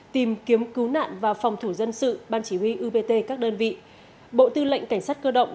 tìm kiếm cứu nạn và phòng thủ dân sự ban chỉ huy upt các đơn vị bộ tư lệnh cảnh sát cơ động